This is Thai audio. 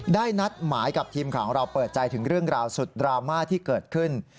นัดหมายกับทีมข่าวของเราเปิดใจถึงเรื่องราวสุดดราม่าที่เกิดขึ้น